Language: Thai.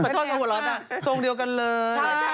ตรงเดียวกันเลย